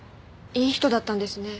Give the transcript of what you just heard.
いい人だったんですね。